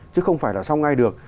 chứ không phải là xong ngay được